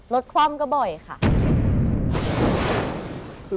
ลดความก็บ่อยค่ะ